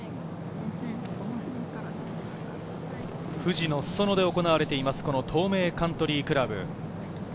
富士の裾野で行われています、東名カントリークラブ。